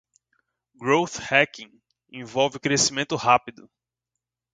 Growth Hacking envolve crescimento rápido.